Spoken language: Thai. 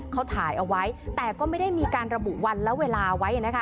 เขาถ่ายเอาไว้แต่ก็ไม่ได้มีการระบุวันและเวลาไว้นะคะ